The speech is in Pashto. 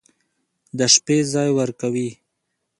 د شپې ځاى وركوي.